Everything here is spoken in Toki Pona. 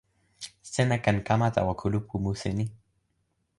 sina ken kama tawa kulupu musi ni.